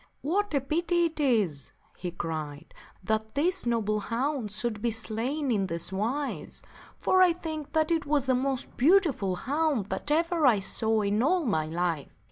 " What a pity it is," he cried, "that this noble hound should be slain in this wise ; for I think that it was the most beautiful hound that ever I saw in all my life.